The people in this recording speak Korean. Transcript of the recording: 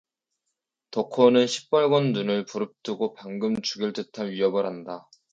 덕호는 시뻘건 눈을 부릅뜨고 방금 죽일 듯이 위협을 한다.